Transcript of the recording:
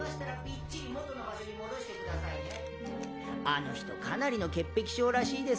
あの人かなりの潔癖症らしいですよ。